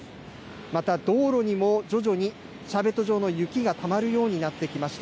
また道路にも徐々にシャーベット状の雪がたまるようになってきました。